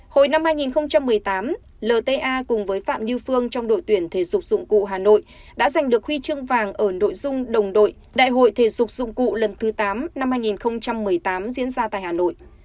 hồi năm hai nghìn một mươi tám lta cùng với phạm như phương trong đội tuyển thể dục dụng cụ hà nội đã giành được huy chương vàng ở nội dung đồng đội đại hội thể dục dụng cụ lần thứ tám năm hai nghìn một mươi tám diễn ra tại hà nội